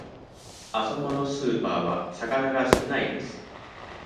あそこのスーパーは魚が少ないです。